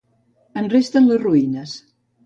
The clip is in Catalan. En resten les ruïnes.